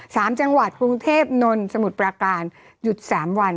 สามจังหวัดกรุงเทพนนท์สมุทรประการหยุดสามวัน